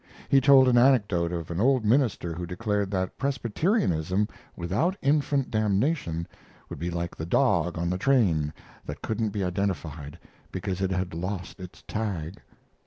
He told an anecdote of an old minister who declared that Presbyterianism without infant damnation would be like the dog on the train that couldn't be identified because it had lost its tag.